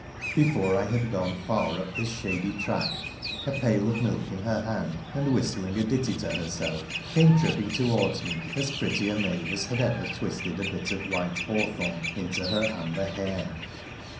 Before I had gone far up this shady track, a pail of milk in her hand, and whistling a ditty to herself, came tripping towards me as pretty a maid as had ever twisted a bit of white hawthorn into her amber hair.